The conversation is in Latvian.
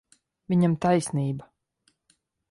Viņam taisnība.